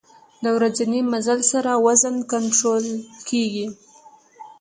د ورځني مزل سره وزن کنټرول کېږي.